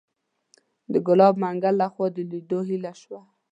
د ګلاب منګل لخوا د لیدو هیله شوه.